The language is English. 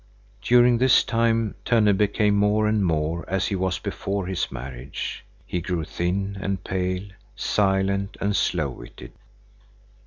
During this time Tönne became more and more as he was before his marriage. He grew thin and pale, silent and slow witted.